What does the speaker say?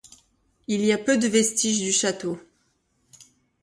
Il y a peu de vestiges du château.